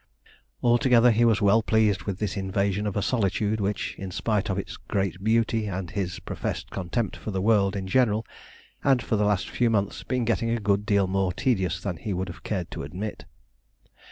Altogether he was well pleased with this invasion of a solitude which, in spite of its great beauty and his professed contempt for the world in general, had for the last few months been getting a good deal more tedious than he would have cared to admit.